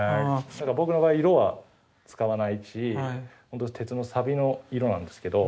ただ僕の場合色は使わないしほんとに鉄のサビの色なんですけど。